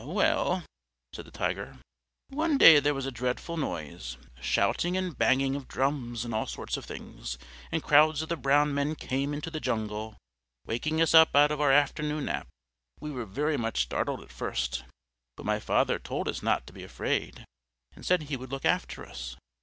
"Well," said the Tiger, "one day there was a dreadful noise shouting and banging of drums and all sorts of things, and crowds of the brown men came into the jungle, waking us up out of our afternoon nap. We were very much startled at first, but my father told us not to be afraid, and said he would look after us.